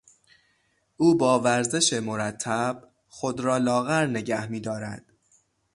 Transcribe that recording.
او با ورزش مرتب خود را لاغر نگه میدارد.